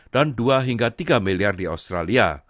dan dua hingga tiga miliar di australia